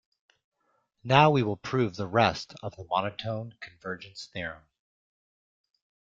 Now we will prove the rest of the monotone convergence theorem.